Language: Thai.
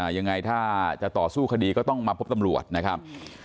ยังไงถ้าจะต่อสู้คดีก็ต้องมาพบตำรวจนะครับ